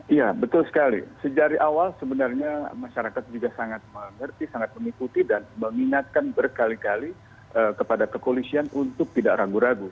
iya betul sekali sejak awal sebenarnya masyarakat juga sangat mengerti sangat mengikuti dan mengingatkan berkali kali kepada kepolisian untuk tidak ragu ragu